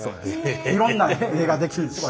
いろんな絵ができるんですね